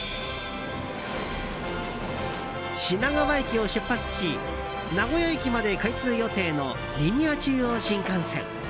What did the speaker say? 品川駅を出発し名古屋駅まで開通予定のリニア中央新幹線。